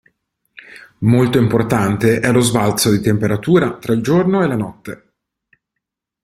Molto importante è lo sbalzo di temperatura tra il giorno e la notte.